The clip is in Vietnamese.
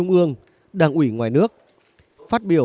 của cộng đồng diplomacy